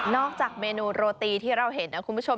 จากเมนูโรตีที่เราเห็นนะคุณผู้ชม